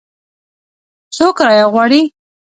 څو کرایه غواړي ؟